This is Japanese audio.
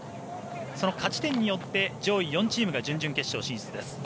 その勝ち点によって上位４チームが準々決勝に進出です。